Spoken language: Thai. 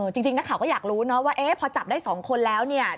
จริงนักข่าวก็อยากรู้นะว่าพอจับได้๒คนแล้วเนี่ย